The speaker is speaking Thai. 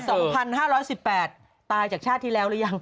สองพันห้าร้อยสิบแปดตายจากชาติที่แล้วหรือยัง